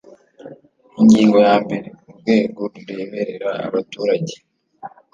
Ingingo ya mbere Urwego rureberera ababaturage